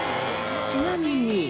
ちなみに。